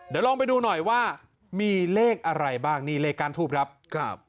เดี๋ยวลองไปดูหน่อยว่ามีเลขอะไรบ้างนี่เลขก้านทูบครับครับ